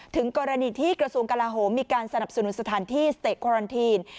ถึงกรณีที่กระทรวงกลาโหมมีการสนับสนุนสถานที่สเตคอรันทีน